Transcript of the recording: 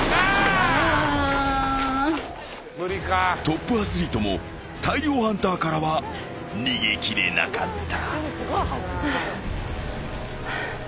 ［トップアスリートも大量ハンターからは逃げ切れなかった］